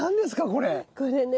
これね